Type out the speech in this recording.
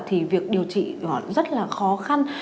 thì việc điều trị rất là khó khăn